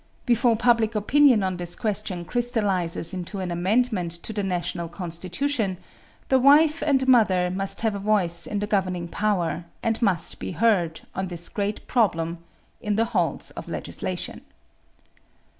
Before public opinion on this question crystallizes into an amendment to the national Constitution, the wife and mother must have a voice in the governing power and must be heard, on this great problem, in the halls of legislation.